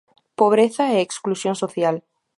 Pobreza e exclusión social.